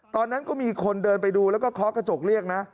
ตอนนั้นก็มีคนเดินไปดูแล้วก็เคาะกระจกเรียกนะ